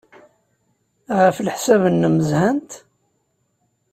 Ɣef leḥsab-nnem, zhant?